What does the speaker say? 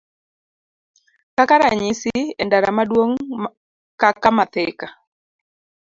Kaka ranyisi, e ndara maduong' kaka ma Thika,